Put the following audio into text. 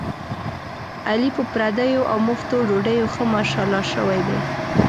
علي په پردیو اومفتو ډوډیو ښه ماشاءالله شوی دی.